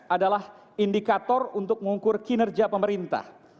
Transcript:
adalah indikator untuk mengukur kinerja pemerintah